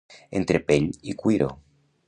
Entre pell i cuiro.